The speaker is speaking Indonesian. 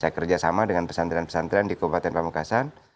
saya kerja sama dengan pesantren pesantren di kabupaten pamekasan